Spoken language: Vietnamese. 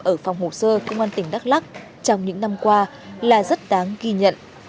ở phòng hồ sơ công an tỉnh đắk lắc trong những năm qua là rất đáng ghi nhận